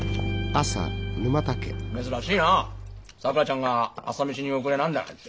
珍しいなさくらちゃんが朝飯に遅れなんだなんて。